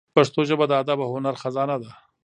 پښتو ژبه د ادب او هنر خزانه ده.